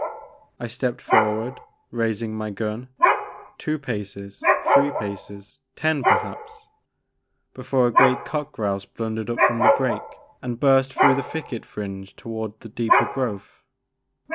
I stepped forward, raising my gun, two paces, three paces, ten perhaps, before a great cock grouse blundered up from the brake and burst through the thicket fringe toward the deeper growth.